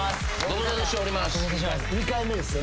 ２回目ですよね。